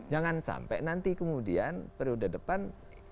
jangan sampai nanti kemudian periode depan